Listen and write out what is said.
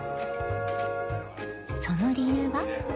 その理由は？